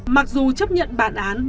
mặc dù chấp nhận bản án